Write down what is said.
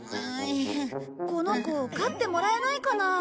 この子飼ってもらえないかな？